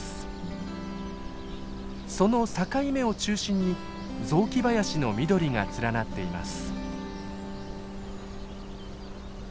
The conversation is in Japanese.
その境目を中心に雑木林の緑が連なっています。